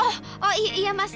emangnya ada apa sama dia